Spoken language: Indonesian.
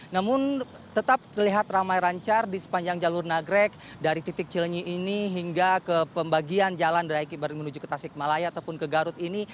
namun tetap terlihat ramai rancar di sepanjang jalur nagrek dari titik cilenyi ini hingga ke pembagian jalan dari menuju ke tasikmalaya ataupun ke garut ini